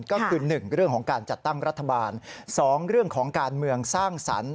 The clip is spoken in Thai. ก็คือ๑เรื่องของการจัดตั้งรัฐบาล๒เรื่องของการเมืองสร้างสรรค์